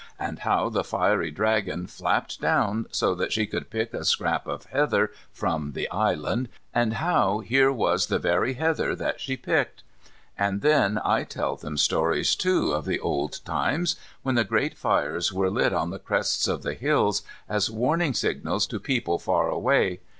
And how the fiery dragon flapped down so that she could pick a scrap of heather from the island, and how here was the very heather that she picked. And then I tell them stories, too, of the old times, when the great fires were lit on the crests of the hills, as warning signals to people far away.